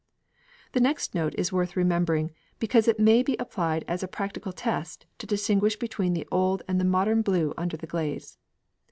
The next note is worth remembering, because it may be applied as a practical test to distinguish between the old and the modern blue under the glaze.